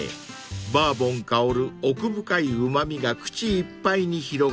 ［バーボン香る奥深いうま味が口いっぱいに広がります］